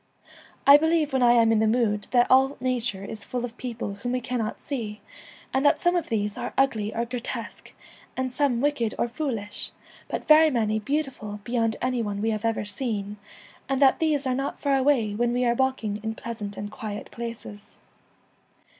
I believe when I am in the mood that all nature is full of people whom we cannot see, and that some of these are ugly or* grotesque, and some wicked or foolish, but very many beautiful beyond any one we 1 06 have ever seen, and that these are not far Enchanted Woods, away when we are walking in pleasant and quiet places.